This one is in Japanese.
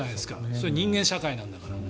それは人間社会なんだから。